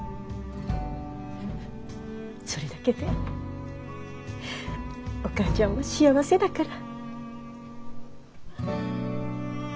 それだけでお母ちゃんは幸せだから。